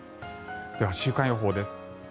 では、週間予報です。